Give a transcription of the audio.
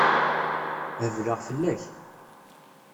Hebleɣ fell-ak.